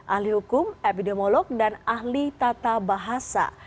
ahli hukum epidemiolog dan ahli tata bahasa